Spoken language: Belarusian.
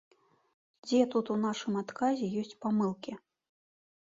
Дзе тут у нашым адказе ёсць памылкі?